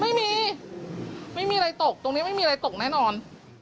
ไม่มีไม่มีอะไรตกตรงนี้ไม่มีอะไรตกแน่นอน